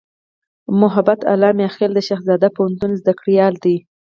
محبت الله "میاخېل" د شیخزاید پوهنتون زدهکړیال دی.